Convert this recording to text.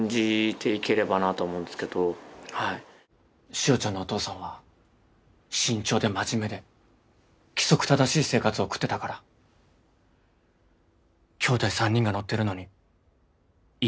「汐ちゃんのお父さんは慎重で真面目で規則正しい生活を送ってたからきょうだい３人が乗ってるのに居眠り運転なんて考えられない」